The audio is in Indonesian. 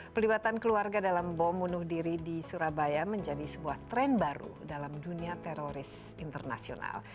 pelibatan keluarga dalam bom bunuh diri di surabaya menjadi sebuah tren baru dalam dunia teroris internasional